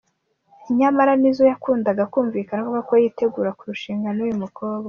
Nyamara Nizzo yakundaga kumvikana avuga ko yitegura kurushinga n’uyu mukobwa.